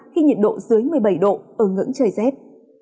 khi nhiệt độ dưới một mươi bảy độ ở ngưỡng trời rét